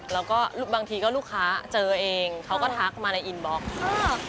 แล้วก็บางทีก็ลูกค้าเจอเองเขาก็ทักมาในอินบล็อกซ์